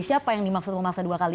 siapa yang dimaksud memaksa dua kali